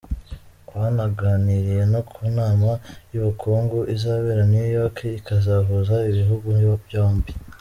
Banaganiriye no ku nama y’ubukungu izabera New York ikazahuza ibihugu byombi.